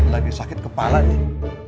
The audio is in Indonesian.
lagi sakit kepala nih